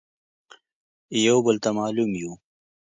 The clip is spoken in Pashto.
يو بل ته مالوم يو.